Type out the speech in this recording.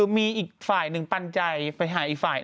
มีอีกฝ่ายหนึ่งปันใจไปหาอีกฝ่าย